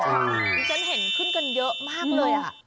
ที่ฉันเห็นขึ้นกันเยอะมากเลยอะ